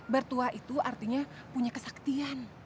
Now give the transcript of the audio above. bertua itu artinya punya kesaktian